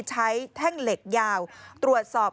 แท่งเหล็กยาวตรวจสอบ